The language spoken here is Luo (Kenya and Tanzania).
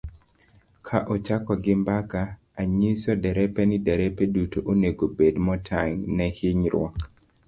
Ka achako gi mbaka, anyiso derepe ni derepe duto onego obed motang ' ne hinyruok.